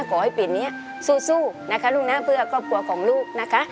ขอให้ปิ่นนี้สู้นะคะลูกนะเพื่อครอบครัวของลูกนะคะ